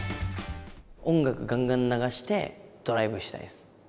音楽がんがん流して、ドライブしたいです。